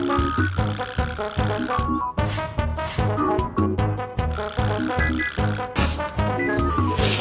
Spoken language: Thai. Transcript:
อักษับออกยัง